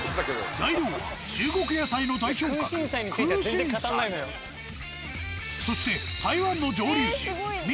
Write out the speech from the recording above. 材料は中国野菜の代表格そして台湾の蒸留酒米